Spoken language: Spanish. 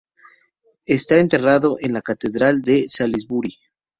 Está enterrado en la Catedral de Salisbury.